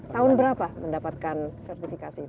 tahun berapa mendapatkan sertifikasi itu